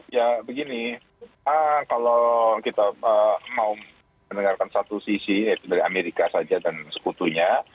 ya begini kalau kita mau mendengarkan satu sisi yaitu dari amerika saja dan sekutunya